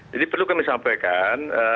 jadi perlu kami sampaikan